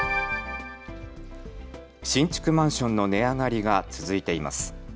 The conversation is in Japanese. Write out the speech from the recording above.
新築マンションの値上がりが続いています。